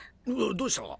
どうした？